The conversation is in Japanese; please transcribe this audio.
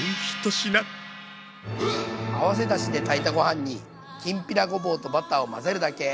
合わせだしで炊いたご飯にきんぴらごぼうとバターを混ぜるだけ。